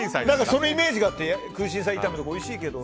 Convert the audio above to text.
そのイメージがあって空心菜炒めとかおいしいけど。